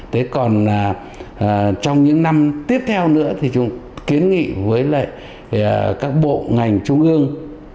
thế còn trong những năm tiếp theo nữa thì chúng kiến nghị với lại các bộ ngành trung ương